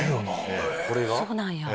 そうなんや。